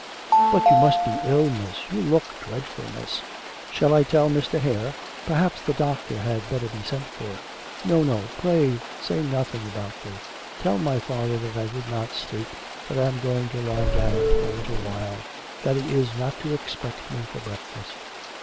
'But you must be ill, Miss; you look dreadful, Miss. Shall I tell Mr. Hare? Perhaps the doctor had better be sent for.' 'No, no; pray say nothing about me. Tell my father that I did not sleep, that I am going to lie down for a little while, that he is not to expect me for breakfast.'